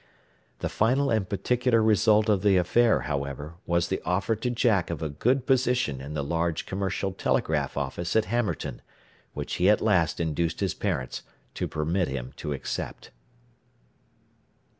The final and particular result of the affair, however, was the offer to Jack of a good position in the large commercial telegraph office at Hammerton, which he at last induced his parents to permit him to accept.